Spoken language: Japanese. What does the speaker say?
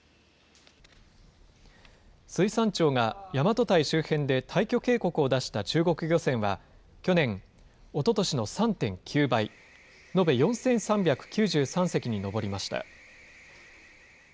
水産庁が大和堆周辺で退去警告を出した中国漁船は、去年、おととしの３．９倍、延べ４３９３隻に上りました。